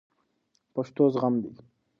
پښتو زغم دی